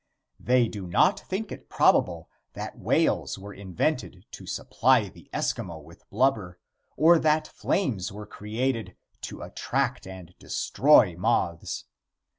They do not think it probable that whales were invented to supply the Eskimo with blubber, or that flames were created to attract and destroy moths.